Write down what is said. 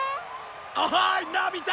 おいのび太！